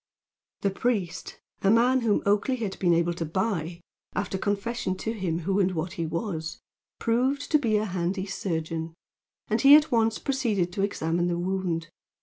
The priest, a man whom Oakleigh had been able to buy, after confession to him who and what he was, proved to be a handy surgeon, and he at once proceeded to examine the wound.